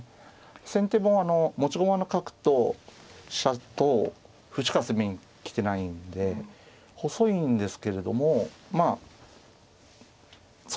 先手も持ち駒の角と飛車と歩しか攻めに来てないんで細いんですけれどもまあそこはどうなるかと。